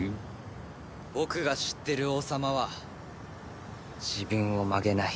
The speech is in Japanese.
僕が知ってる王様は自分を曲げない。